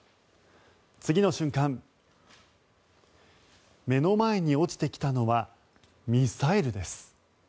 次の瞬間目の前に落ちてきたのはミサイルです。